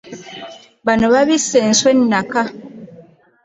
Bano babisse enswa ennaka.